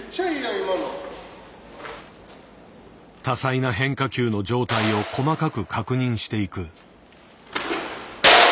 多彩な変化球の状態を細かく確認していく。